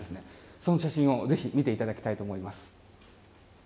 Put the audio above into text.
その写真をぜひ見ていただきたいと思います。